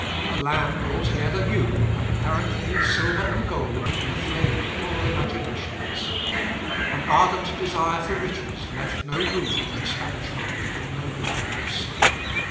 A land altogether new, and apparently silver and gold, inflamed all imaginations. An ardent desire for riches left no room in a Spanish heart for nobler thoughts.